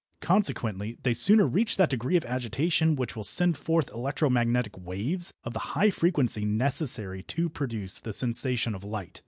Consequently, they sooner reach that degree of agitation which will send forth electro magnetic waves of the high frequency necessary to produce the sensation of light.